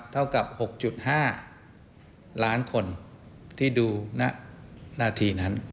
เท่ากับ๖๕ล้านคนที่ดูณหน้าที่นั้น